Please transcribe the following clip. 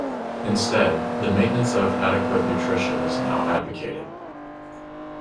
Instead, the maintenance of adequate nutrition is now advocated.